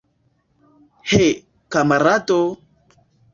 He, kamarado!